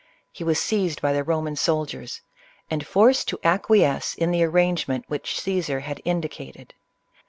He was seized by the Koman soldiers, and forced to acquiesce in the arrangement which Caesar had indicated.